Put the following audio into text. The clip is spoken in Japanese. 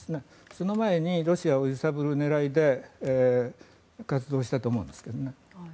その前にロシアを揺さぶる狙いで活動したと思うんですけどね。